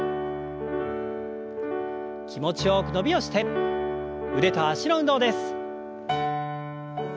気持ちよく伸びをして腕と脚の運動です。